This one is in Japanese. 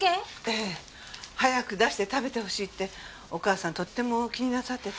ええ。早く出して食べてほしいってお母さんとっても気になさってて。